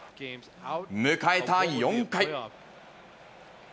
迎えた４回。